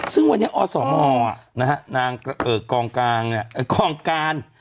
ซึ่งวันนี้อศมอออนะครับนางของก้าน